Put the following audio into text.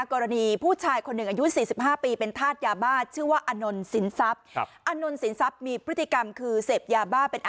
กรณีผู้ชายคนหนึ่งอายุ๔๕ปีเป็นธาตุยาบ้าน